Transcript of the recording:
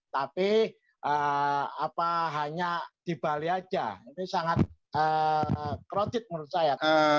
tapi apa hanya di bali aja ini sangat krotik menurut saya